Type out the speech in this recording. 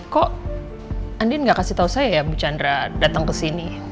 kok andin gak kasih tau saya ya bu chandra datang ke sini